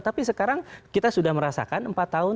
tapi sekarang kita sudah merasakan empat tahun